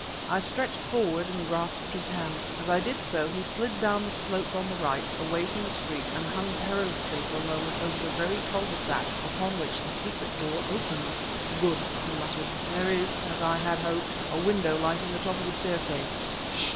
I stretched forward and grasped his hand. As I did so, he slid down the slope on the right, away from the street, and hung perilously for a moment over the very cul de sac upon which the secret door opened. "Good!" he muttered "There is, as I had hoped, a window lighting the top of the staircase.